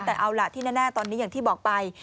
แต่เอาล่ะที่แน่ตอนนี้อย่างที่บอกไป